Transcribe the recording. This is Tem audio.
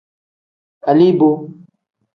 Aliboo.